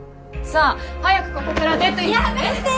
さあ早くここから出ていって。